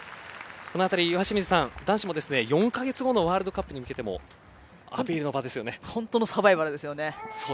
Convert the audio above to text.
このあたり岩清水さん男子も４カ月後のワールドカップに向けても本当のサバイバルですよね。